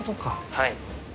はい。